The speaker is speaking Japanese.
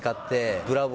ブラボー！